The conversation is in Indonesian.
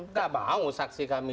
nggak mau saksi kami